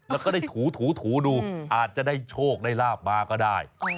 แล้วก็ได้ถูดูอาจจะได้โชคได้ลาบมาก็ได้